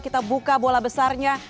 kita buka bola besarnya